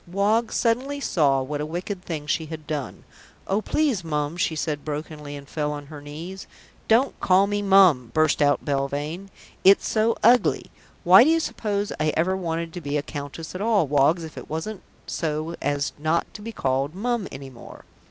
Woggs suddenly saw what a wicked thing she had done. "Oh, please, Mum," she said brokenly and fell on her knees. "Don't call me 'Mum,'" burst out Belvane. "It's so ugly. Why do you suppose I ever wanted to be a countess at all, Woggs, if it wasn't so as not to be called 'Mum' any more?"